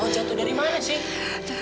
jatuh dari mana sih